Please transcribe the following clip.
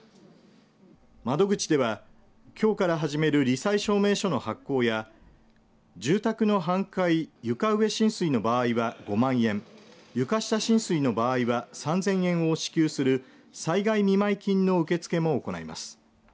窓口ではきょうから始めるり災証明書の発行や住宅の半壊、床上浸水の場合は５万円床下浸水の場合は３０００円を支給する災害見舞金の受け付けも行います。